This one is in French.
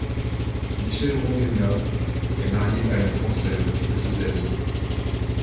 Michel Roux jr est marié à une française Giselle.